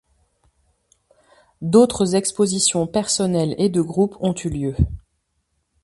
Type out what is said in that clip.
D'autres expositions personnelles et de groupes ont eu lieu.